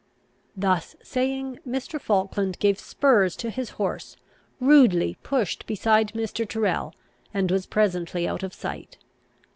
Thus saying, Mr. Falkland gave spurs to his horse, rudely pushed beside Mr. Tyrrel, and was presently out of sight.